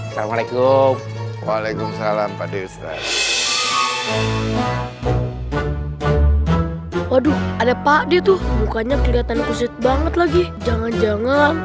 waalaikumsalam pak deda waduh ada pakde tuh mukanya kelihatan kusit banget lagi jangan jangan